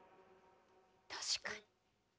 確かに。